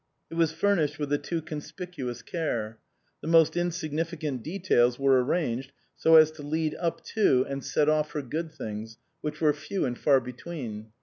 It was furnished with a too conspicuous care ; the most insignifi cant details were arranged so as to lead up to and set off her good things, which were few and far between.